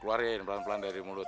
keluarin pelan pelan dari mulut